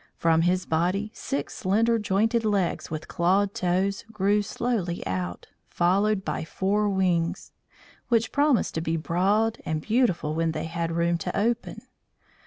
From his body six slender jointed legs with clawed toes grew slowly out, followed by four wings, which promised to be broad and beautiful when they had room to open.